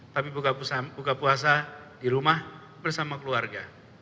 tapi buka puasa di rumah bersama keluarga